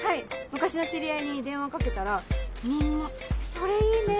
昔の知り合いに電話かけたらみんな「それいいね！」